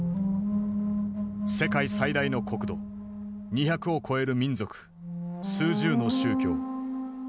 世界最大の国土２００を超える民族数十の宗教。